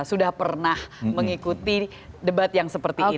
sudah pernah mengikuti debat yang seperti ini